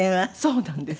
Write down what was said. そうなんです。